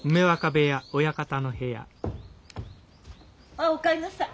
あっお帰りなさい。